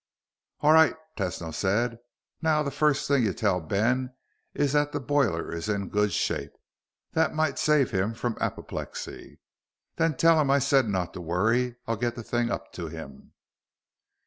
"All right," Tesno said. "Now the first thing you tell Ben is that the boiler is in good shape. That might save him from apoplexy. Then tell him I said not to worry. I'll get the thing up to him."